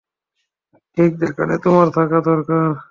ঠিক যেখানে তোমার থাকা দরকার।